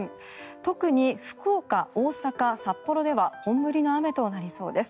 特に福岡、大阪、札幌では本降りの雨となりそうです。